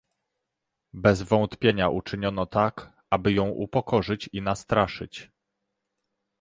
Bez wątpienia uczyniono tak, aby ją upokorzyć i nastraszyć